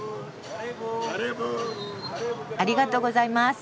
ありがとうございます。